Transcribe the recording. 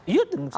iya tentu saja